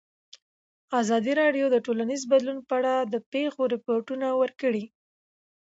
ازادي راډیو د ټولنیز بدلون په اړه د پېښو رپوټونه ورکړي.